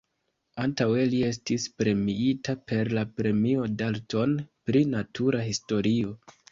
Antaŭe le estis premiita per la Premio Dalton pri natura historio.